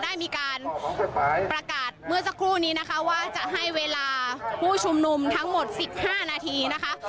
ได้มีการประกาศเมื่อสักครู่นี้นะคะว่าจะให้เวลาผู้ชุมนุมทั้งหมด๑๕นาทีนะคะ